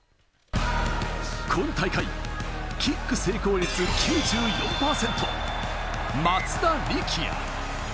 今大会キック成功率９４％、松田力也。